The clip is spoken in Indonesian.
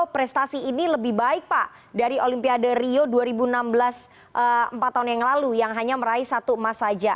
prestasi ini lebih baik pak dari olimpiade rio dua ribu enam belas empat tahun yang lalu yang hanya meraih satu emas saja